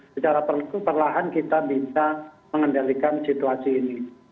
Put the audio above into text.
secara perlahan kita bisa mengendalikan situasi ini